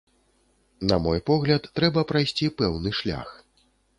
На мой погляд, трэба прайсці пэўны шлях.